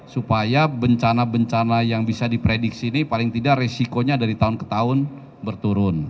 supaya bencana bencana yang bisa diprediksi ini paling tidak resikonya dari tahun ke tahun berturun